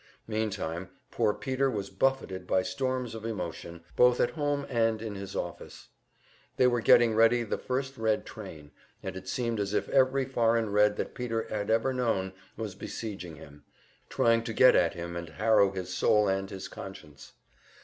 Meantime poor Peter was buffeted by storms of emotion, both at home and in his office. They were getting ready the first Red train, and it seemed as if every foreign Red that Peter had ever known was besieging him, trying to get at him and harrow his soul and his conscience.